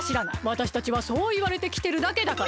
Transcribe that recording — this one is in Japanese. わたしたちはそういわれてきてるだけだから。